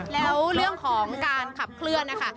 แล้วเรื่องของการขับเคลื่อนนะคะ